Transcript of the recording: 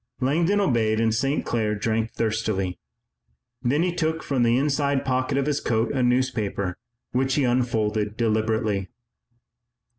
Langdon obeyed and St. Clair drank thirstily. Then he took from the inside pocket of his coat a newspaper which he unfolded deliberately.